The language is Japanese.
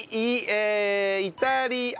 「イタリア」。